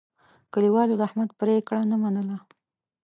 کلیوالو د احمد پرېکړه نه منله.